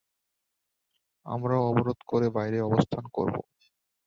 আমরাও অবরোধ করে বাইরে অবস্থান করব।